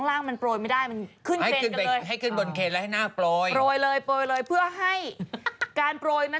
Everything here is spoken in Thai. ให้นากโปรยก็เลยค่ะพี่